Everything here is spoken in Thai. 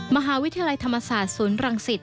มหาวิทยาลัยธรรมศาสตร์ศูนย์รังสิต